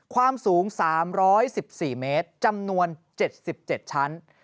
ความสูง๓๑๔เมตรจำนวน๗๗ชั้น